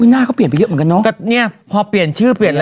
หน้าก็เปลี่ยนไปเยอะเหมือนกันเนอะก็เนี่ยพอเปลี่ยนชื่อเปลี่ยนอะไร